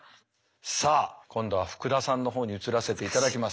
さあ今度は福田さんの方に移らせていただきます。